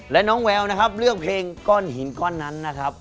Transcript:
และน้องแววนะครับเลือกเพลงก้อนหินก้อนนั้นนะครับ